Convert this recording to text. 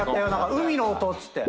海の音っつって。